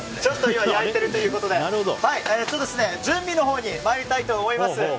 今、焼いているということで準備のほうに参りたいと思います。